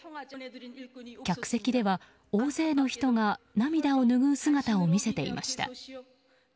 客席では大勢の人が涙をぬぐう姿を見せていました。